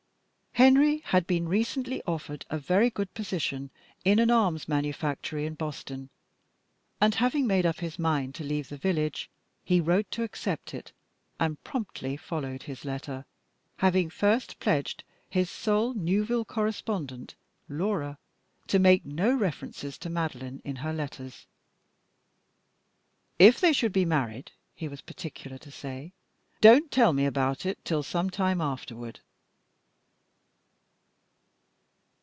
Henry had been recently offered a very good position in an arms manufactory in Boston, and, having made up his mind to leave the village, he wrote to accept it, and promptly followed his letter, having first pledged his sole Newville correspondent, Laura, to make no references to Madeline in her letters. "If they should be married," he was particular to say, "don't tell me about it till some time afterward."